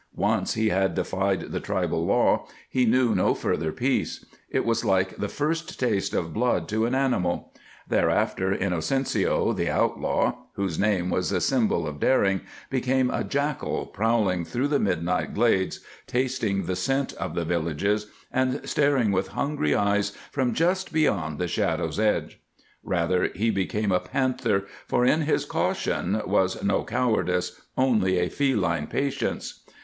Once he had defied the tribal law, he knew no further peace. It was like the first taste of blood to an animal. Thereafter Inocencio, the outlaw, whose name was a symbol of daring, became a jackal prowling through the midnight glades, tasting the scent of the villages, and staring with hungry eyes from just beyond the shadow's edge. Rather he became a panther, for in his caution was no cowardice, only a feline patience.